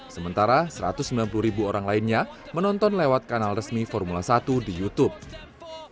sementara satu ratus sembilan puluh ribu orang lainnya menonton lewat kanal resmi formula satu di youtube